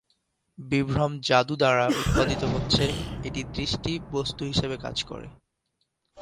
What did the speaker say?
বিভ্রম জাদু দ্বারা উৎপাদিত হচ্ছে, এটি দৃষ্টি বস্তু হিসাবে কাজ করে।